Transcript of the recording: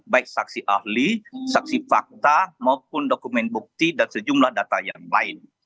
baik saksi ahli saksi fakta maupun dokumen bukti dan sejumlah data yang lain